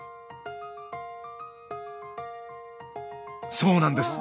そうなんです。